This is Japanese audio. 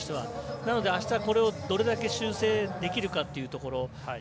なので、あしたこれをどれだけ修正できるかというところ。